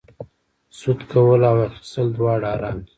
سود کول او اخیستل دواړه حرام دي